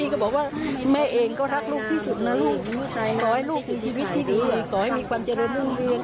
ขอให้ลูกมีชีวิตที่ดีขอให้มีความเจริญร่วมเงียง